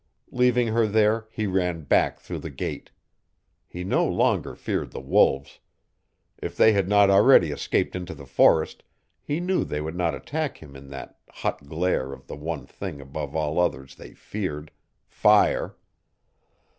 Leaving her there he ran back through the gate. He no longer feared the wolves. If they had not already escaped into the forest he knew they would not attack him in that hot glare of the one thing above all others they feared fire.